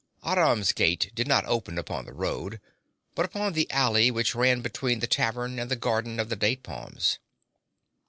Aram's gate did not open upon the road, but upon the alley which ran between the tavern and the garden of the date palms.